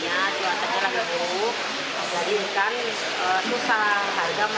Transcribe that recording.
jadi ikan susah harga menaik ke lautnya